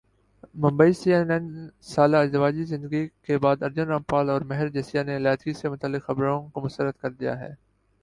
Mumbai C N N سالہ ازدواجی زندگی کے بعد ارجن رامپال اور مہر جسیہ نے علیحدگی سے متعلق خبروں کع مسترد کردیا ہے